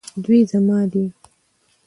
دوی زما دي